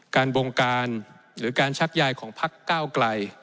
บงการหรือการชักยายของพักก้าวไกล